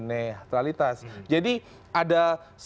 netralitas jadi ada